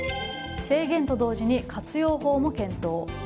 制限と同時に活用法も検討。